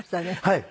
はい。